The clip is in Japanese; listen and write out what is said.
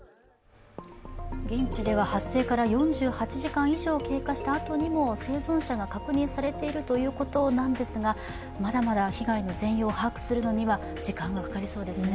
現地では発生から４８時間以上経過したあとでも生存者が確認されているということなんですがまだまだ被害の全容を把握するのには時間がかかりそうですね。